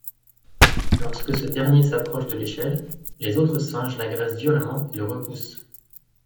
Lorsque ce dernier s'approche de l'échelle, les autres singes l'agressent violemment et le repoussent.